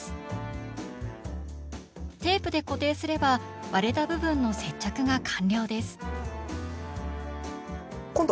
テープで固定すれば割れた部分の接着が完了です。